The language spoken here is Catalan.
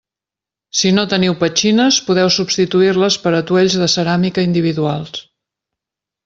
Si no teniu petxines, podeu substituir-les per atuells de ceràmica individuals.